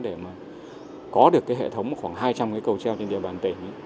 để có được hệ thống khoảng hai trăm linh cây cầu treo trên địa bàn tỉnh